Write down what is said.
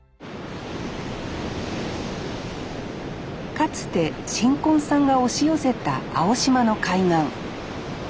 かつて新婚さんが押し寄せた青島の海岸。